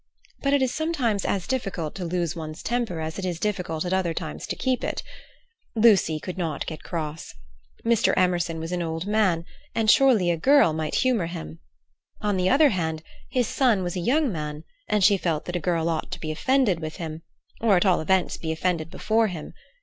But it is sometimes as difficult to lose one's temper as it is difficult at other times to keep it. Lucy could not get cross. Mr. Emerson was an old man, and surely a girl might humour him. On the other hand, his son was a young man, and she felt that a girl ought to be offended with him, or at all events be offended before him.